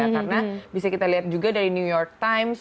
karena bisa kita lihat juga dari new york times